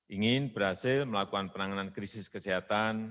ingin berhasil melakukan penanganan krisis kesehatan